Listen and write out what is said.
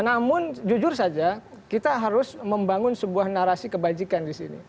namun jujur saja kita harus membangun sebuah narasi kebajikan di sini